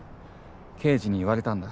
刑事に言われたんだ。